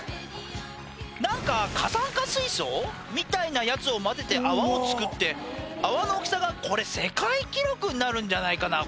何か過酸化水素？みたいなやつを混ぜて泡を作って泡の大きさがこれ世界記録になるんじゃないかな